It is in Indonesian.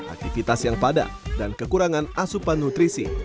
aktivitas yang padat dan kekurangan asupan nutrisi